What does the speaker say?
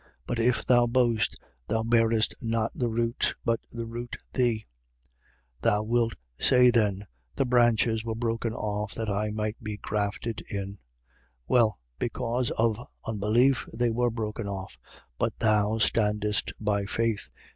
But if thou boast, thou bearest not the root: but the root thee. 11:19. Thou wilt say then: The branches were broken off that I might be grafted in. 11:20. Well: because of unbelief they were broken off. But thou standest by faith.